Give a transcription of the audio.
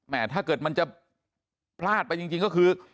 ถ้าเกิดมันจะพลาดไปจริงก็คือ